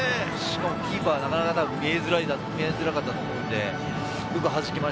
しかも、キーパーなかなか見えづらかったと思います。